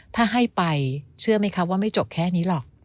ถ้าให้ไปเชื่อไหมคะว่าไม่จบแค่นี้หรอก